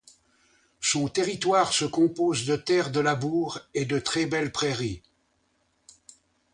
Son territoire se compose de terres de labour et de très-belles prairies.